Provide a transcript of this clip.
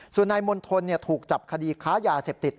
ส่วนนายมณฑลถูกจับคดีค้ายาเสพติด